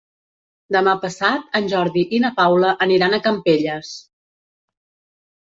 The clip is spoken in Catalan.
Demà passat en Jordi i na Paula aniran a Campelles.